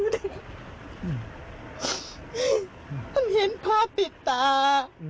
ทำให้เห็นภาพปิดตา